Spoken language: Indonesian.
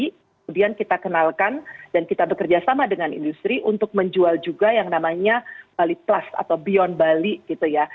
kemudian kita kenalkan dan kita bekerja sama dengan industri untuk menjual juga yang namanya bali plus atau beyond bali gitu ya